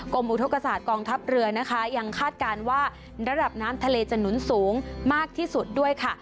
อุทธกษาตกองทัพเรือนะคะยังคาดการณ์ว่าระดับน้ำทะเลจะหนุนสูงมากที่สุดด้วยค่ะ